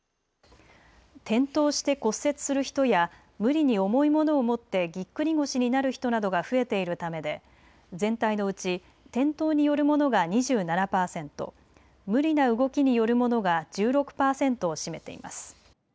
転倒して骨折する人や無理に重いものを持ってぎっくり腰になる人などが増えているためで全体のうち転倒によるものが２７％、無理な動きによるものが１６％を占めています。